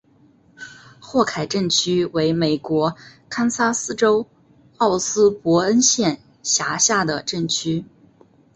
霍凯镇区为美国堪萨斯州奥斯伯恩县辖下的镇区。